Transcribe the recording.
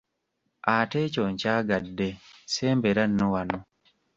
Ate ekyo nkyagadde, sembera nno wano.